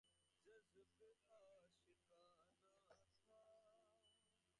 As such there are many elements of existentialist thought in the text.